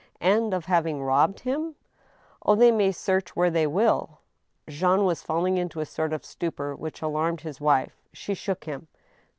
" And of having robbed him ?"" Oh, they may search where they will !" Jean was falling into a sort of stupor, which alarmed his wife. She shook him.